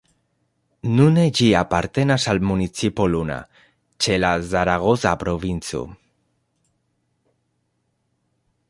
Nune ĝi apartenas al municipo Luna, ĉe la Zaragoza provinco.